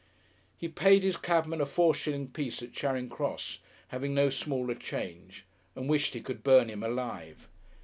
He paid his cabman a four shilling piece at Charing Cross, having no smaller change, and wished he could burn him alive.